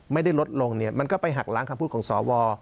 ไม่ได้ลดลงเนี่ยมันก็ไปหักล้างคำพูดของสว